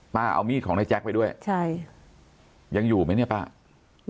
เอามีดของนายแจ๊คไปด้วยใช่ยังอยู่ไหมเนี่ยป้า